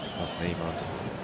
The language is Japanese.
今のところは。